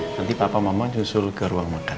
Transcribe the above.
nanti papa mama nyusul ke ruang makan